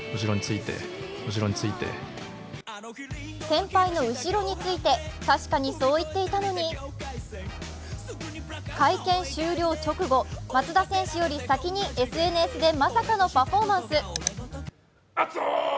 「先輩の後ろについて」、確かにそう言っていたのに会見終了直後松田選手より先にＳＮＳでまさかのパフォーマンス。